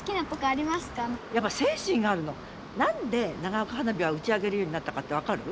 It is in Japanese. なんで長岡花火は打ち上げるようになったかってわかる？